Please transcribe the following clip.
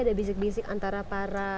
ada bisik bisik antara para